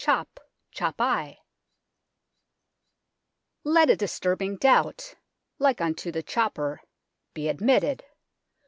Chop, chop I " Let a disturbing doubt like unto the chopper be admitted.